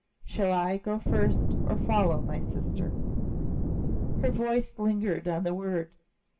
Shall I go first or follow, my sister?" Her voice lingered on the word.